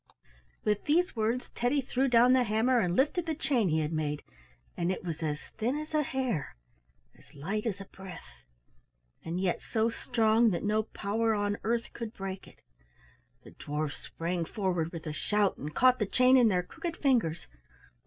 With these words Teddy threw down the hammer and lifted the chain he had made, and it was as thin as a hair, as light as a breath, and yet so strong that no power on earth could break it. The dwarfs sprang forward with a shout and caught the chain in their crooked fingers.